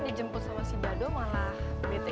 dijemput sama si dado malah bt